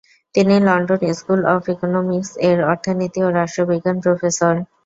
তিনি London School of Economics এর অর্থনীতি ও রাষ্ট্রবিজ্ঞান প্রফেসর।